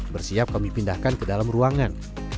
bersiap kami pindahkan ke dalam ruangan